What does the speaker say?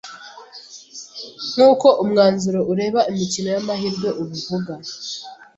nk’uko umwanzuro ureba imikino y’amahirwe ubivuga.